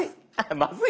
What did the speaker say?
まずい。